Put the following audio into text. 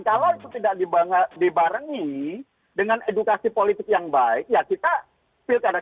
kalau itu tidak dibarengi dengan edukasi politik yang baik ya kita pilkada